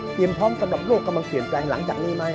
พร้อมสำหรับโลกกำลังเปลี่ยนแปลงหลังจากนี้ไหม